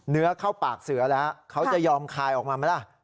เนื้อเข้าปากเสือแล้วเขาจะยอมคายออกมาไหมล่ะ